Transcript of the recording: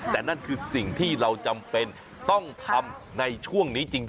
แต่นั่นคือสิ่งที่เราจำเป็นต้องทำในช่วงนี้จริง